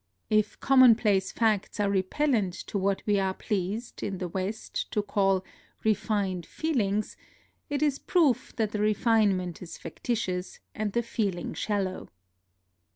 If commonplace facts are repellent to what we are pleased, in the West, to call " refined feel NOTES OF A TRIP TO KYOTO 79 ing," it is proof that the refinement is fac titious and the feeling shallow.